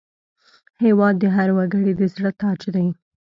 هېواد د هر وګړي د زړه تاج دی.